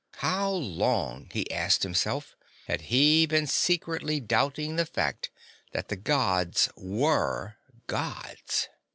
How long, he asked himself, had he been secretly doubting the fact that the Gods were Gods?